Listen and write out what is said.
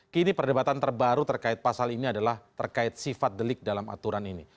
kini perdebatan terbaru terkait pasal ini adalah terkait sifat delik dalam aturan ini